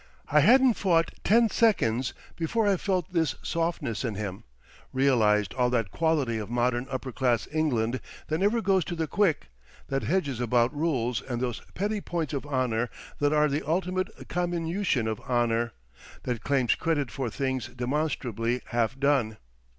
I hadn't fought ten seconds before I felt this softness in him, realised all that quality of modern upper class England that never goes to the quick, that hedges about rules and those petty points of honour that are the ultimate comminution of honour, that claims credit for things demonstrably half done.